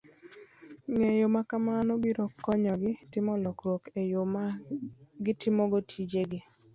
Ng'eyo ma kamano biro konyogi timo lokruok e yo ma gitimogo tijegi